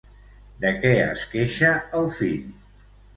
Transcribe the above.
De què es queixa el fill?